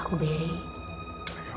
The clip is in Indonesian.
kamu pikir watchteller apa